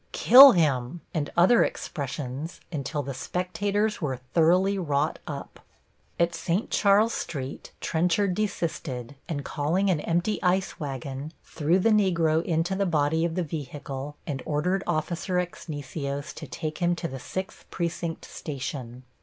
"Kill him!" and other expressions until the spectators were thoroughly wrought up. At St. Charles Street Trenchard desisted, and, calling an empty ice wagon, threw the Negro into the body of the vehicle and ordered Officer Exnicios to take him to the Sixth Precinct station.